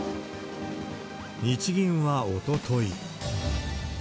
日銀はおととい。